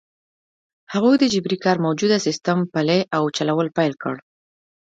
هغوی د جبري کار موجوده سیستم پلی او چلول پیل کړ.